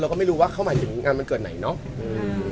ก็ไม่รู้ว่าเขาหมายถึงงานวันเกิดไหนเนาะ